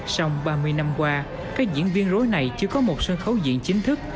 xong ba mươi năm qua các diễn viên rối này chưa có một sân khấu diễn chính thức